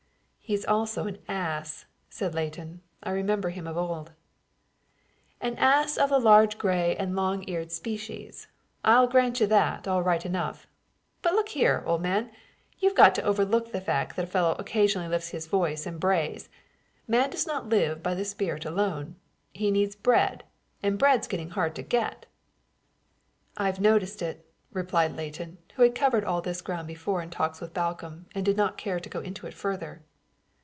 "He's also an ass," said Leighton. "I remember him of old." "An ass of the large gray and long eared species, I'll grant you that, all right enough; but look here, old man, you've got to overlook the fact that a fellow occasionally lifts his voice and brays. Man does not live by the spirit alone; he needs bread, and bread's getting hard to get." "I've noticed it," replied Leighton, who had covered all this ground before in talks with Balcomb and did not care to go into it further.